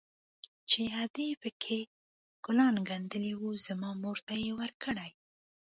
چې ادې پكښې ګلان ګنډلي وو زما مور ته يې وركړي.